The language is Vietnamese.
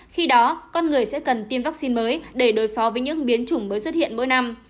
khi đó con người sẽ cần tiêm vaccine mới để đối phó với những biến chủng mới xuất hiện mỗi năm